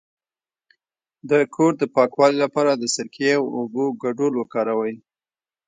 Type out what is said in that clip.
د کور د پاکوالي لپاره د سرکې او اوبو ګډول وکاروئ